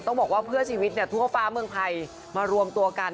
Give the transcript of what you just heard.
ต้องบอกว่าเพื่อชีวิตทั่วฟ้าเมืองไทยมารวมตัวกัน